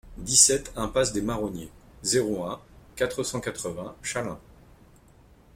dix-sept impasse des Marronniers, zéro un, quatre cent quatre-vingts Chaleins